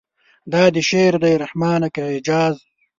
دا دې شعر دی رحمانه که اعجاز.